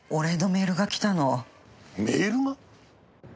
メールが？